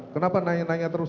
kenapa nanya nanya terus